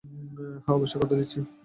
হ্যাঁ, অবশ্যই, কথা দিচ্ছি।